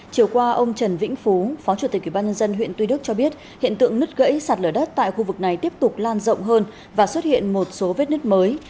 chiều qua ông trần vĩnh phú phó chủ tịch ủy ban nhân dân huyện tuy đức cho biết hiện tượng nứt gãy sạt lở đất tại khu vực này tiếp tục lan rộng hơn và xuất hiện một số vết nứt mới